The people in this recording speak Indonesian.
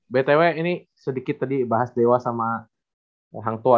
btw ini sedikit tadi bahas dewa sama hang tua